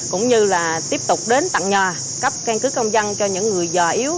cũng như là tiếp tục đến tận nhà cấp căn cước công dân cho những người già yếu